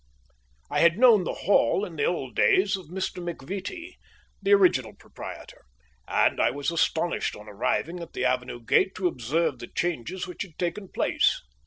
I had known the Hall in the old days of Mr. McVittie, the original proprietor, and I was astonished on arriving at the avenue gate to observe the changes which had taken place.